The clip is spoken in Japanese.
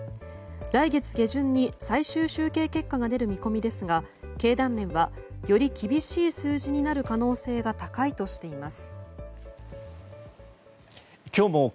来月下旬に最終集計結果が出る見込みですが経団連はより厳しい数字になる可能性が高いとしています。